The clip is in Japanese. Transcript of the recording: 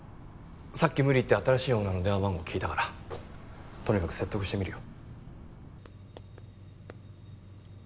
さっき無理言って新しいオーナーの電話番号聞いたからとにかく説得してみるよ。